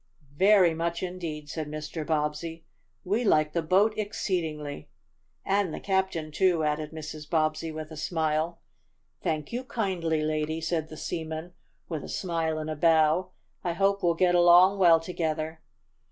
"Very much indeed," said Mr. Bobbsey. "We like the boat exceedingly!" "And the captain, too," added Mrs. Bobbsey, with a smile. "Thank you kindly, lady!" said the seaman, with a smile and a bow. "I hope we'll get along well together."